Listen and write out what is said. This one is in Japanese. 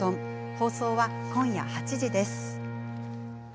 放送は今夜８時です。